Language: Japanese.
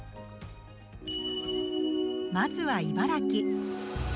まずは、茨城。